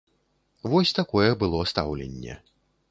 Вось такое было стаўленне.